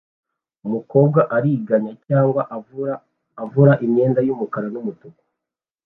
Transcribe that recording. Umukobwa ariganya cyangwa avura imyenda yumukara numutuku